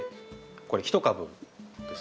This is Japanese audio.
これ１株です。